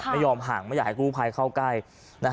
ไม่ยอมห่างไม่อยากให้กู้ภัยเข้าใกล้